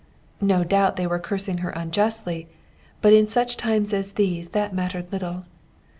No doubt they were cursing her unjustly, but in such times as these that mattered little.